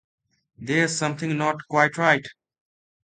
There is something not quite right.